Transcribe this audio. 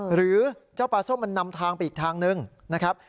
หรือเจ้าปลาส้มมันนำทางไปอีกทางนึงนะครับ